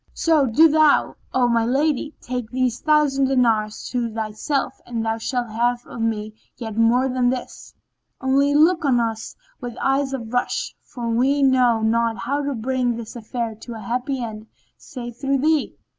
So, do thou, O my lady, take these thousand dinars to thyself and thou shalt have of me yet more than this; only look on us with eyes of rush; for we know not how to bring this affair to a happy end save through thee."